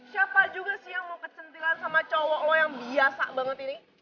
siapa juga sih yang mau kecentilan sama cowok yang biasa banget ini